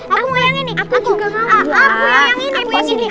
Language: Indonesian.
aku mau yang ini aku mau yang ini